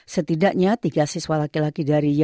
setidaknya tiga siswa laki laki dari ya